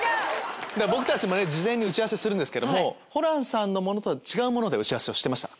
僕たちも事前に打ち合わせするんですけどもホランさんのものとは違うもので打ち合わせをしてました。